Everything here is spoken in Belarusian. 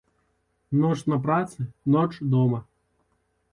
Ноч на працы, ноч дома.